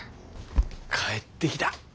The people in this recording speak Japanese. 帰ってきた。